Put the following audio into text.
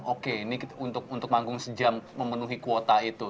oke ini untuk manggung sejam memenuhi kuota itu